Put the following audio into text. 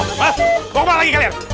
mau kemana lagi kalian